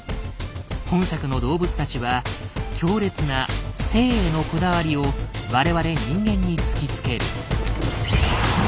本作の動物たちは強烈な生へのこだわりを我々人間に突きつける。